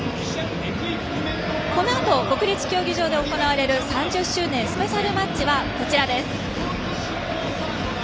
このあと国立競技場で行われる３０周年スペシャルマッチはこちらです。